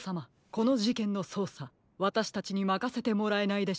このじけんのそうさわたしたちにまかせてもらえないでしょうか？